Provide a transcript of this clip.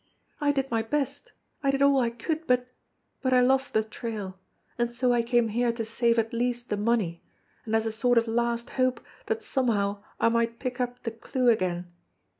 I did my best; I did all I could, but but I lost the trail, and so I came here to save at least the money, and as a sort of last hope that somehow I might pick up the clue again.